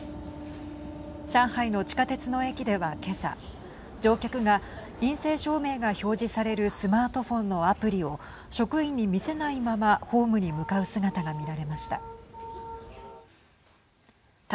上海の地下鉄の駅では今朝乗客が陰性証明が表示されるスマートフォンのアプリを職員に見せないままホームに向かう姿が見られました。